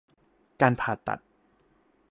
การผ่าตัด